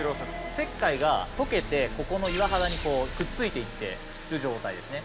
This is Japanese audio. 石灰が溶けてここの岩肌にくっついて行ってる状態ですね。